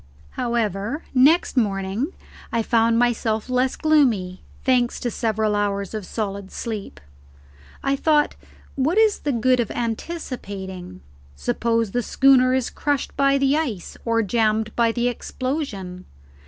However, next morning I found myself less gloomy, thanks to several hours of solid sleep. I thought, what is the good of anticipating? Suppose the schooner is crushed by the ice or jammed by the explosion?